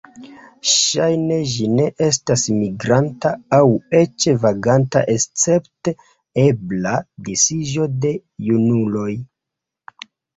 Ŝajne ĝi ne estas migranta aŭ eĉ vaganta escepte ebla disiĝo de junuloj.